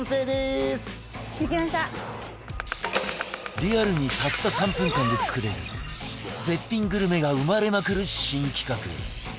リアルにたった３分間で作れる絶品グルメが生まれまくる新企画